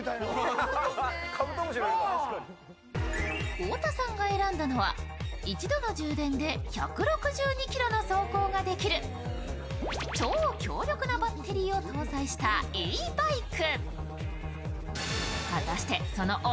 太田さんが選んだのは、一度の充電で、１６２ｋｍの走行ができる、超強力なバッテリーを搭載したＥ−バイク。